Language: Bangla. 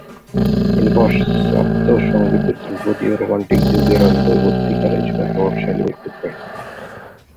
তিনি পাশ্চাত্য সঙ্গীতের ধ্রুপদী ও রোমান্টিক যুগের অন্তর্বর্তীকালীন সময়ের প্রভাবশালী ব্যক্তিত্ব।